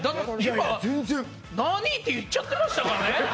なーにー！？って言っちゃってましたからね